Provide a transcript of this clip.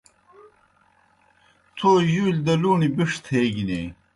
تھو جُولیْ دہ لُوݨیْ بِݜ تھیگینیئی۔